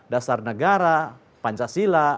dasar negara pancasila